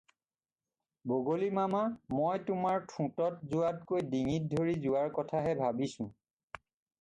বগলী মামা, মই তােমাৰ ঠোঁটত যোৱাতকৈ ডিঙিত ধৰি যােৱাৰ কথাহে ভাবিছোঁ।